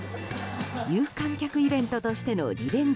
有観客イベントとしてのリベンジ